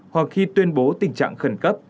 hoặc khi tuyên bố tình trạng khẩn cấp